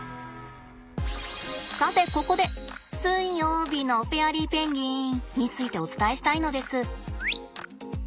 さてここで水曜日のフェアリーペンギンについてお伝えしたいのです。